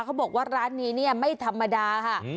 เขาบอกว่าร้านนี้เนี่ยไม่ธรรมดาค่ะ